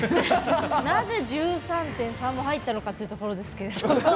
なぜ、１３．３も入ったのかというところですが。